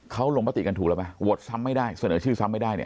เขาลงมติกันถูกแล้วไหมโหวตซ้ำไม่ได้เสนอชื่อซ้ำไม่ได้เนี่ย